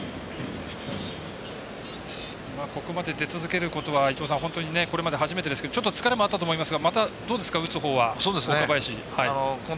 ここまで出続けることはこれまで本当に初めてですけど疲れもあったと思いますがどうですか、打つほうは、岡林。